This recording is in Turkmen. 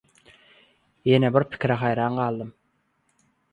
Ýene bir pikire haýran galdym.